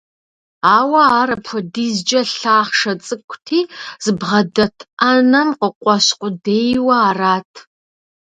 Ауэ ар апхуэдизкӏэ лъахъшэ цӏыкӏути, зыбгъэдэт ӏэнэм къыкъуэщ къудейуэ арат.